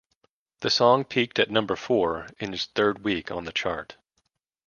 The song peaked at number four in its third week on the chart.